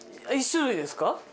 １種類です。